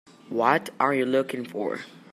What are you looking for?